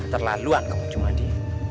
terlaluan kamu jumadi